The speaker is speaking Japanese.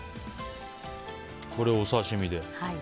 これ、お刺し身で。